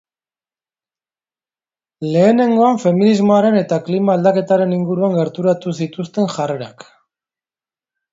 Lehenengoan feminismoaren eta klima aldaketaren inguruan gerturatu zituzten jarrerak.